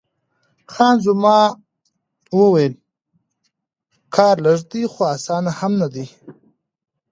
خان زمان وویل: کار لږ دی، خو اسان هم نه دی.